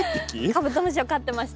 カブトムシを飼ってました。